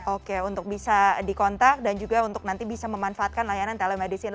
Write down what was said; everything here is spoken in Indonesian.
oke untuk bisa dikontak dan juga untuk nanti bisa memanfaatkan layanan telemedicine